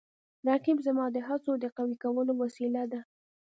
رقیب زما د هڅو د قوي کولو وسیله ده